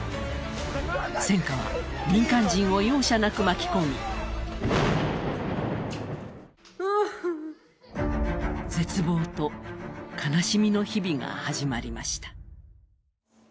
戦火は民間人を容赦なく巻き込み、絶望と悲しみの日々が始まりました。